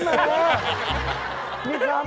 เกิดอะไรขึ้น